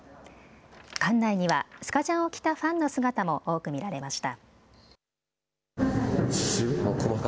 館内にはスカジャンを着たファンの姿も多く見られました。